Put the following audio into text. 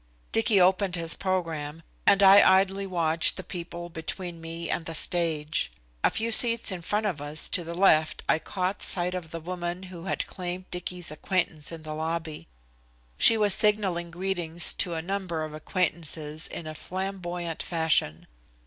Dicky opened his program, and I idly watched the people between me and the stage. A few seats in front of us to the left I caught sight of the woman who had claimed Dicky's acquaintance in the lobby. She was signaling greetings to a number of acquaintances in a flamboyant fashion.